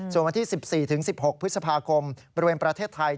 ส่วนวันที่๑๔๑๖พฤษภาคมบริเวณประเทศไทย